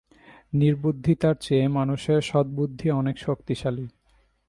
নির্বুদ্ধিতার চেয়ে মানুষের সদ্বুদ্ধি অধিক শক্তিশালী।